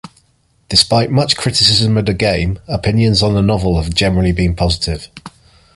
Despite much criticism of the game, opinions on the novel have generally been positive.